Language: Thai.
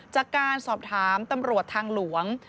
จากการสอบถามตำรวจทางหลวง